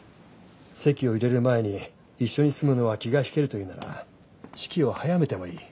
籍を入れる前に一緒に住むのは気が引けるというなら式を早めてもいい。